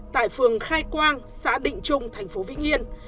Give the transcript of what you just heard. tại phường khai quang xã định trung thành phố vĩnh yên